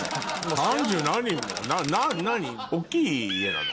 大っきい家なの？